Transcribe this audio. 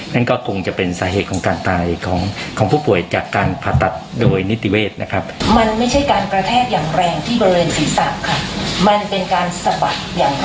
นั่นก็คงจะเป็นสาเหตุของการตายของของผู้ป่วยจากการผ่าตัดโดยนิติเวศนะครับ